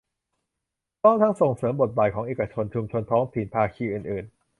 พร้อมทั้งส่งเสริมบทบาทของเอกชน ชุมชนท้องถิ่น ภาคีอื่นอื่น